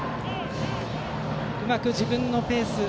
うまく自分のペース